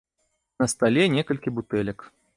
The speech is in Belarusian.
На стале некалькі бутэлек.